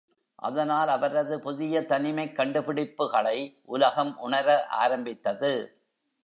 அதனால், அவரது புதிய தனிமைக் கண்டு பிடிப்புக்களை உலகம் உணர ஆரம்பித்தது.